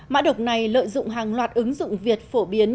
mã độc này lợi dụng hàng loạt ứng dụng việt phổ biến